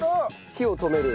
火を止める。